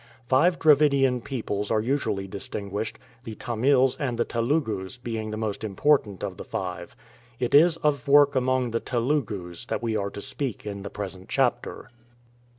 Five Dravidian peoples are usually distinguished, the Tamils and the Telugus being the most important of the five. It is of work among the Telugus that we are to speak in the present chapter.